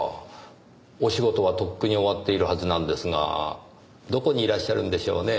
お仕事はとっくに終わっているはずなんですがどこにいらっしゃるんでしょうね？